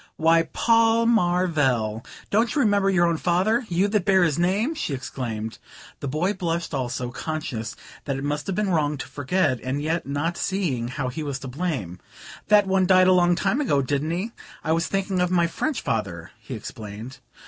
"Why, Paul Marvell, don't you remember your own father, you that bear his name?" she exclaimed. The boy blushed also, conscious that it must have been wrong to forget, and yet not seeing how he was to blame. "That one died a long long time ago, didn't he? I was thinking of my French father," he explained.